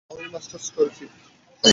আমি মাস্টার্স করেছি।